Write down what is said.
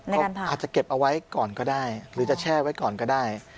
เขาอาจจะเก็บเอาไว้ก่อนก็ได้หรือจะแช่ไว้ก่อนก็ได้